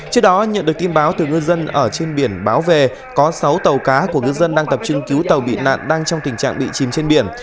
trước đó nhận được tin báo từ ngư dân ở trên biển báo về có sáu tàu cá của ngư dân đang tập trung cứu tàu bị nạn đang trong tình trạng bị chìm trên biển